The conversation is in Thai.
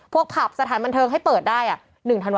ผับสถานบันเทิงให้เปิดได้๑ธันวาค